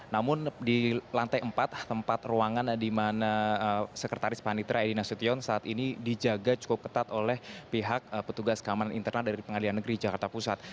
namun di lantai empat tempat ruangan di mana sekretaris panitra edi nasution saat ini dijaga cukup ketat oleh pihak petugas keamanan internal dari pengadilan negeri jakarta pusat